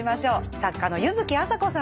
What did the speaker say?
作家の柚木麻子さんです。